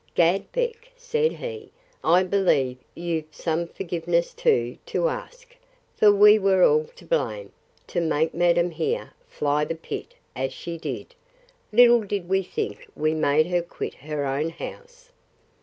Gad, Beck, said he, I believe you've some forgiveness too to ask; for we were all to blame, to make madam, here, fly the pit, as she did. Little did we think we made her quit her own house.